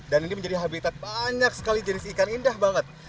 dan ini menjadi habitat banyak sekali jenis ikan indah banget